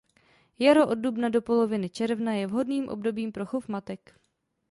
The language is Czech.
Jaro od dubna do poloviny června je vhodným obdobím pro chov matek.